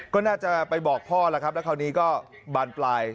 ก็น่าจะไปบอกพ่อแล้วครับแล้วคราวนี้ก็บานปลาย